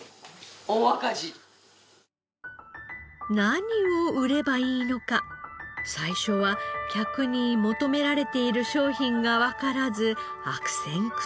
何を売ればいいのか最初は客に求められている商品がわからず悪戦苦闘。